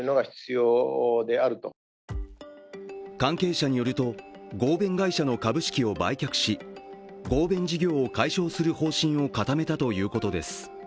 関係者によると、合弁会社の株式を売却し合弁事業を解消する方針を固めたということです。